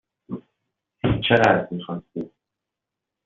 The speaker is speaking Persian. چقدر میخواستید؟